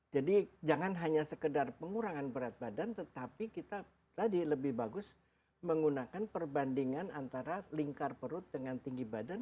jadi jangan hanya sekedar pengurangan berat badan tetapi kita tadi lebih bagus menggunakan perbandingan antara lingkar perut dengan tinggi badan